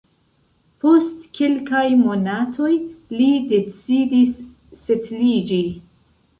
Post kelkaj monatoj li decidis setliĝi.